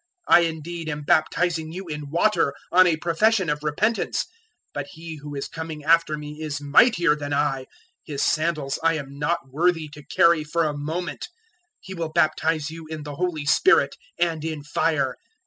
003:011 I indeed am baptizing you in water on a profession of repentance; but He who is coming after me is mightier than I: His sandals I am not worthy to carry for a moment; He will baptize you in the Holy Spirit and in fire.